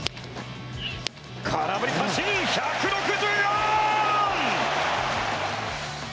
空振り三振、１６４！